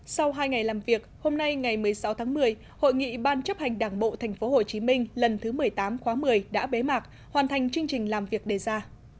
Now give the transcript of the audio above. sau hai ngày làm việc hôm nay ngày một mươi sáu tháng một mươi hội nghị ban chấp hành đảng bộ tp hcm lần thứ một mươi tám khóa một mươi đã bế mạc hoàn thành chương trình làm việc đề ra